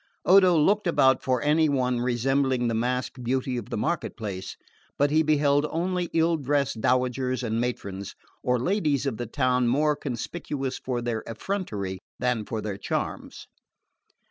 Odo looked about for any one resembling the masked beauty of the market place; but he beheld only ill dressed dowagers and matrons, or ladies of the town more conspicuous for their effrontery than for their charms.